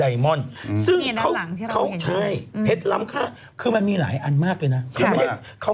นี่เล่านั่นหลังที่เราเห็นจริงอ๋ออคือมันมีหลายอันมากเลยนะ